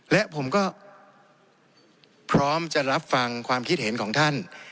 และผมก็พร้อมจะรับฟังความคิดเห็นของท่าน